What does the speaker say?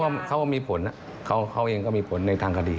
เขาก็มีผลเขาเองก็มีผลในทางคดี